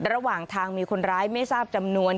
ระหว่างทางมีคนร้ายไม่ทราบจำนวน